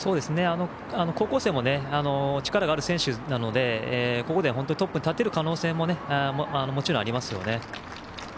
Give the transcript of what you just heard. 高校生も力がある選手でここでは本当にトップに立てる可能性もありますよね。